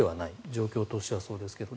状況としては、そうですけど。